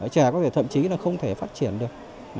trẻ có thể thậm chí là không thể phát triển được